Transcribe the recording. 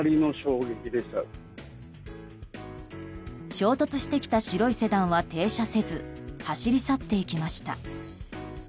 衝突してきた白いセダンは停車せず走り去っていきました。